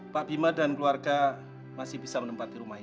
pak bima dan keluarga masih bisa menempati rumah ini